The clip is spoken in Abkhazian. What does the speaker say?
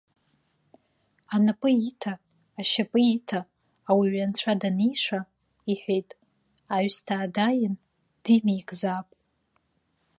Анапы иҭа, ашьапы иҭа, ауаҩы анцәа даниша, иҳәеит, аҩсҭаа дааин димеикзаап.